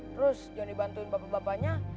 terus jonny bantuin bapak bapaknya